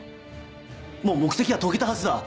もう目的は遂げたはずだ。